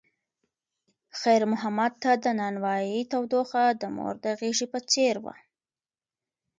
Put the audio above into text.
خیر محمد ته د نانوایۍ تودوخه د مور د غېږې په څېر وه.